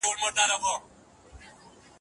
که په اوبو کې حرکت ونه شي، مغز ته وینه لږ ځي.